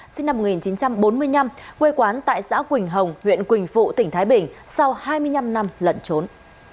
sinh năm một nghìn chín trăm bốn mươi năm quê quán tại xã quỳnh hồng huyện quỳnh phụ tỉnh thái bình sau hai mươi năm năm lẩn trốn